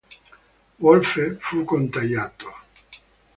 Wolfe fu contagiato.